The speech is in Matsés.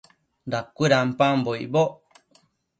Dacuëdampambo icboc